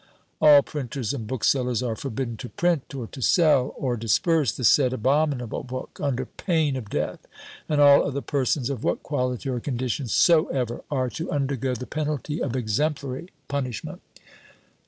All printers and booksellers are forbidden to print, or to sell, or disperse the said abominable book, under pain of death; and all other persons, of what quality or condition soever, are to undergo the penalty of exemplary punishment.